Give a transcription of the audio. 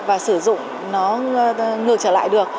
và sử dụng nó ngược trở lại được